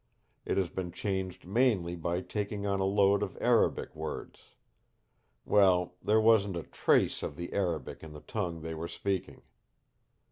It has been changed mainly by taking on a load of Arabic words. Well there wasn't a trace of the Arabic in the tongue they were speaking.